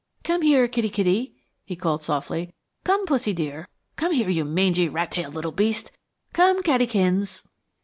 "Come here, kitty, kitty," he called softly. "Come, pussy dear! Come here, you mangy, rat tailed little beast! Come cattykins."